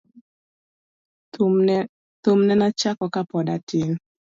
Thum nena chako ka pod atin.